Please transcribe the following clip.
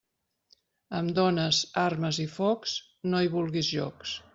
Amb dones, armes i focs, no hi vulguis jocs.